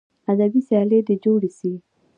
ادبي سیالۍ دې جوړې سي.